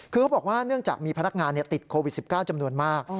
คือเขาบอกว่าเนื่องจากมีพนักงานติดโควิด๑๙จำนวนมาก